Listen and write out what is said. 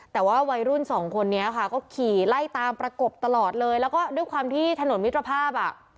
แต่ว่าวัยรุ่นสองคนนี้ค่ะก็ขี่ไล่ตามประกบตลอดเลยแล้วก็ด้วยความที่ถนนมิตรภาพอ่ะ